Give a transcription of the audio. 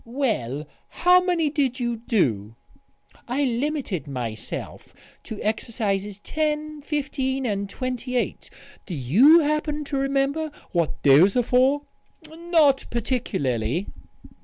"Well, how many did you do?" "I limited myself to exercises 10, 15 and 28. Do you happen to remember what those are for?" "Not particularly."